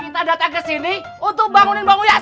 kita datang ke sini untuk bangunin bangun ya sahur